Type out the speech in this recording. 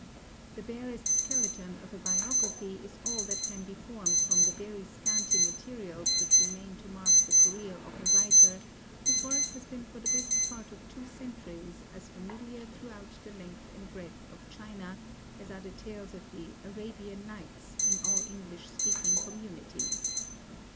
The barest skeleton of a biography is all that can be formed from the very scanty materials which remain to mark the career of a writer whose work has been for the best part of two centuries as familiar throughout the length and breadth of China as are the tales of the "Arabian Nights" in all English speaking communities.